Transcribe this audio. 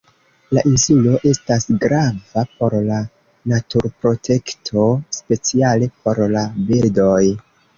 La insulo estas grava por la naturprotekto, speciale por la birdoj.